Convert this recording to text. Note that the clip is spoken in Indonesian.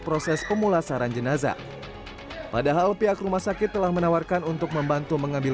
proses pemulasaran jenazah padahal pihak rumah sakit telah menawarkan untuk membantu mengambil